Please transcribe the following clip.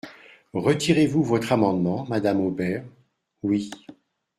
Retirez-vous votre amendement, madame Hobert ? Oui.